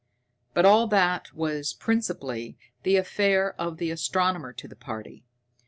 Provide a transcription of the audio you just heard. But all that was principally the affair of the astronomer of the party.